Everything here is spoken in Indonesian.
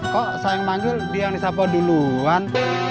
kok saya yang manggil dia yang disapa duluan